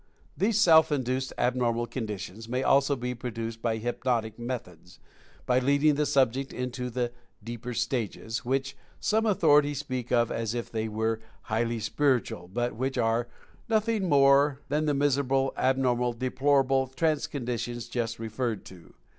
These self induced abnormal conditions may also be produced by hypnotic methods, by leading the subject into the "deeper stages," which some authorities speak of as if they were "highly spiritual," but which are nothing more than the miserable, abnormal, deplorable 'trance" conditions just referred to.